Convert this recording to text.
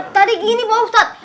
tadi gini pak ustadz